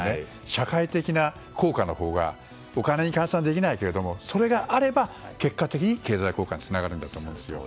社会的な効果のほうがお金に換算できないけれどもそれがあれば結果的に経済効果につながるんだと思いますよ。